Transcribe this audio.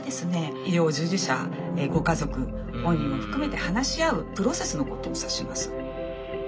医療従事者ご家族本人も含めて話し合うプロセスのことを指します」。